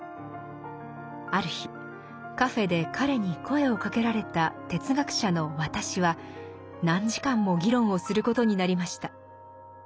ある日カフェで彼に声をかけられた哲学者の「私」は何時間も議論をすることになりました。